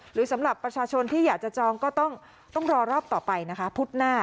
หรือสำหรับประชาชนที่อยากจะจองก็ต้องรอรอบต่อไปนะคะพุธหน้า